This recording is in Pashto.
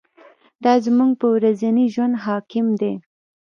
دا زموږ په ورځني ژوند حاکم دی.